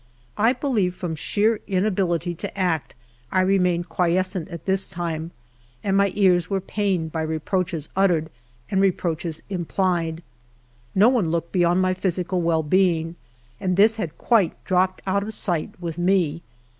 I believe from sheer inability to act I remained quiescent at this time, and my ears were pained by reproaches uttered and reproaches implied. T^o one looked beyond my physical well being, and this had quite dropped out of sight with me.